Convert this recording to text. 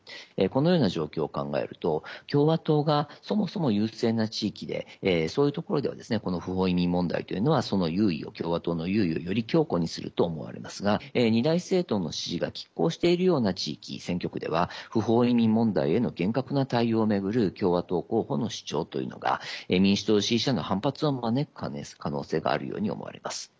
このような状況を考えると共和党が、そもそも優勢な地域でそういうところでは不法移民問題というのはその優位を、共和党の優位をより強固にすると思われますが二大政党の支持がきっ抗しているような地域、選挙区では不法移民問題への厳格な対応を巡る共和党候補の主張というのが民主党支持者の反発を招く可能性があるように思われます。